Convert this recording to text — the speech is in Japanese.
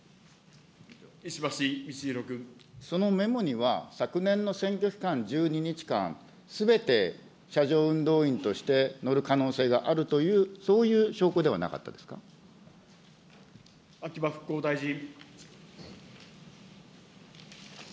そのメモには、昨年の選挙期間１２日間、すべて車上運動員として乗る可能性があるという、そ秋葉復興大臣。